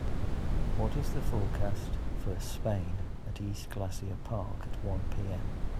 what is the foreast for Spain at East Glacier Park at one pm